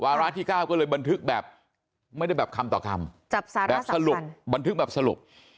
ระที่๙ก็เลยบันทึกแบบไม่ได้แบบคำต่อคำแบบสรุปบันทึกแบบสรุป